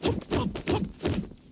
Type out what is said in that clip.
janganlah kau berguna